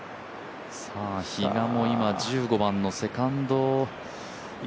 比嘉も今、１５番のセカンドですね。